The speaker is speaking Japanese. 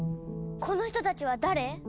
この人たちは誰？